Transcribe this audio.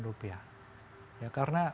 rupiah ya karena